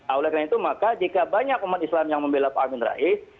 oleh karena itu maka jika banyak umat islam yang membela pak amin rais